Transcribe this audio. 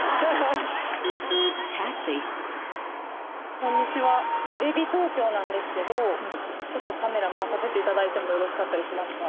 こんにちはテレビ東京なんですけどちょっとカメラ回させていただいてもよろしかったりしますか？